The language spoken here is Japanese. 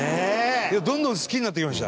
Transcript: どんどん好きになってきました。